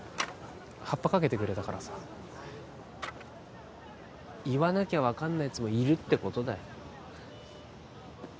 はっぱかけてくれたからさ言わなきゃ分かんないやつもいるってことだよ